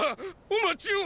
お待ちを！